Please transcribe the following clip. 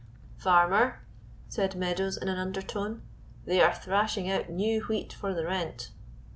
"Farmer," said Meadows, in an undertone, "they are thrashing out new wheat for the rent."